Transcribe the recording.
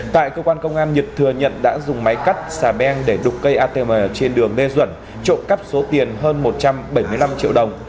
tại cơ quan công an nhật thừa nhận đã dùng máy cắt xà beng để đục cây atm trên đường lê duẩn trộm cắp số tiền hơn một trăm bảy mươi năm triệu đồng